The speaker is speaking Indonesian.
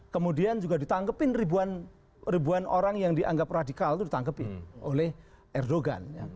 kemudian juga ditangkepin ribuan orang yang dianggap radikal itu ditangkepin oleh erdogan